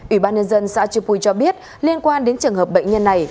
ủy ban nhân dân xã chư pui cho biết liên quan đến trường hợp bệnh nhân này